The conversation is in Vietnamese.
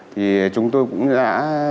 thì chúng tôi cũng đã